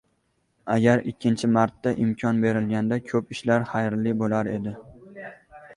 • Agar ikkinchi marta imkon berilganida ko‘p ishlar xayrli bo‘lar edi.